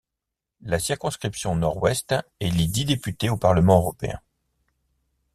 La circonscription Nord-Ouest élit dix députés au Parlement européen.